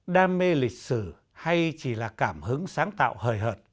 đam mê lịch sử hay chỉ là cảm hứng sáng tạo hời hợt